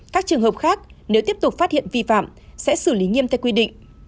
các trường hợp khác nếu tiếp tục phát hiện vi phạm sẽ xử lý nghiêm theo quy định